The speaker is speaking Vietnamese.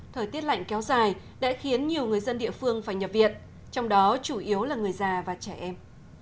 thời tiết lạnh kéo dài đã khiến nhiều người dân địa phương phải nhập viện trong đó chủ yếu là người già và trẻ em